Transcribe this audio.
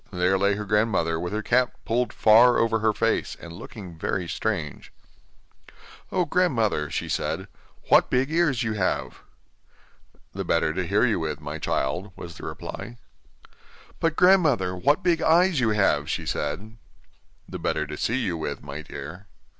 There lay her grandmother with her cap pulled far over her face, and looking very strange. 'Oh! grandmother,' she said, 'what big ears you have!' 'The better to hear you with, my child,' was the reply. 'But, grandmother, what big eyes you have!' she said. 'The better to see you with, my dear.